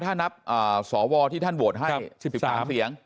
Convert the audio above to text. ถ้านับสวที่ท่านโหวตให้๑๓เสียง